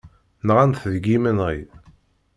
Nɣan-t deg yimenɣi.